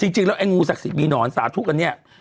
จริงแล้วไอ้งูศักดิ์สิทธิ์มีหนอนสาธุกันเนี่ย